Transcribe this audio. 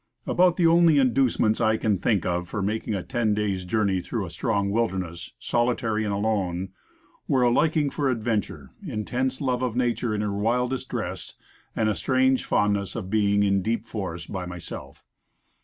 ABOUT the only inducements I can think of for making a ten days' journey through a strange wilderness, solitary and alone, were a liking for ad venture, intense love of nature in her wildest dress, and a strange fondness for being in deep forests by myself.